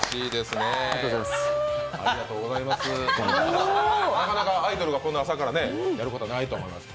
なかなかアイドルがこんな朝からやることはないと思います。